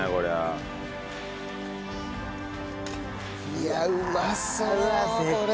いやうまそうこれ。